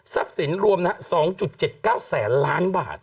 ทรัพย์สินรวมนะครับ๒๗๙แสนล้านบาท